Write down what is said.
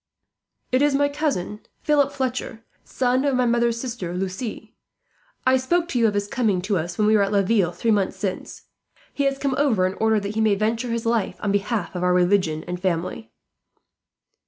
"It is my cousin, Philip Fletcher, son of my mother's sister Lucie. I spoke to you of his coming to us, when you were at Laville three months since. He has come over in order that he may venture his life on behalf of our religion and family."